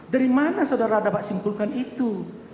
dari mana saudara dapat simpulkan itu